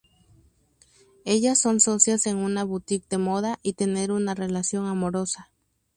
Ellas son socias en una boutique de moda y tener una relación amorosa.